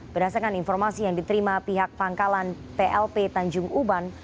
berdasarkan informasi yang diterima pihak pangkalan plp tanjung uban